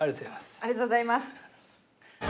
ありがとうございます。